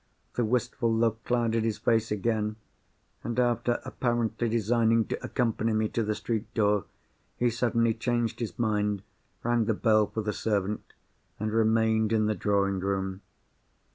The wistful look clouded his face again: and, after apparently designing to accompany me to the street door, he suddenly changed his mind, rang the bell for the servant, and remained in the drawing room.